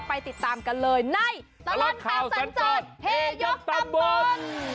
ไปติดตามกันเลยในตลอดข่าวสัญจรเฮยกตำบล